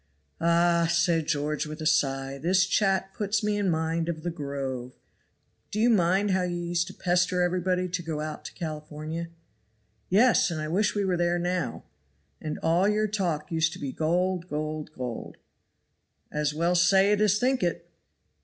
"Ah!" said George with a sigh, "this chat puts me in mind of 'The Grove.' Do you mind how you used to pester everybody to go out to California?" "Yes! and I wish we were there now." "And all your talk used to be gold gold gold." "As well say it as think it."